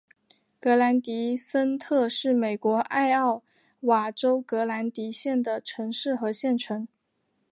格兰迪森特是美国艾奥瓦州格兰迪县的城市和县城。